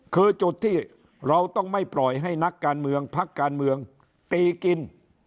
คือจุดที่เราต้องไม่ปล่อยให้นักการเมืองพักการเมืองตีกิน